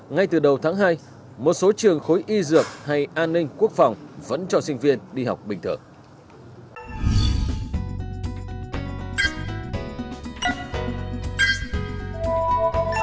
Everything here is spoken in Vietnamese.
ngay từ đầu tháng hai một số trường khối y dược hay an ninh quốc phòng vẫn cho sinh viên đi học bình thường